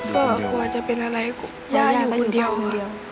ก็กลัวจะเป็นอะไรย่าอยู่คนเดียว